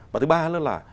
và thứ ba nữa là